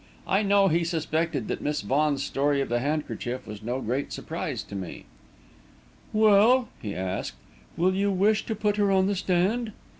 I knew he suspected that Miss Vaughan's story of the handkerchief was no great surprise to me. "Well," he asked, "will you wish to put her on the stand?"